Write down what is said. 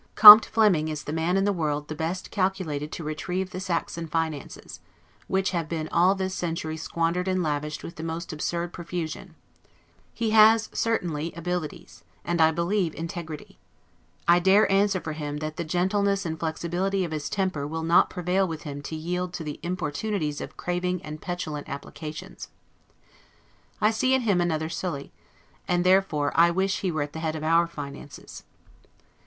Comte Flemming is the man in the world the best calculated to retrieve the Saxon finances, which have been all this century squandered and lavished with the most absurd profusion: he has certainly abilities, and I believe integrity; I dare answer for him, that the gentleness and flexibility of his temper will not prevail with him to yield to the importunities of craving and petulant applications. I see in him another Sully; and therefore I wish he were at the head of our finances.